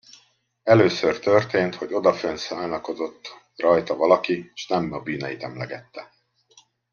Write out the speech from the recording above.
Először történt, hogy odafönn szánakozott rajta valaki, s nem a bűneit emlegette.